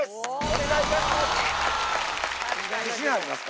お願いいたします！